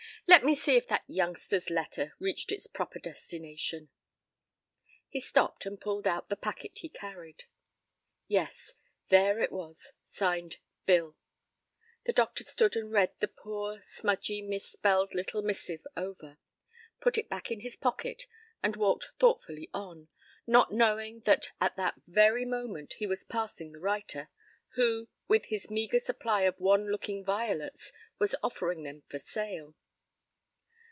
Let me see if that youngster's letter reached its proper destination." He stopped and pulled out the packet he carried. Yes, there it was, signed "Bill." The doctor stood and read the poor smudgy, mis spelled little missive over, put it back in his pocket, and walked thoughtfully on, not knowing that at that very moment he was passing the writer, who, with his meagre supply of wan looking violets, was offering them for sale.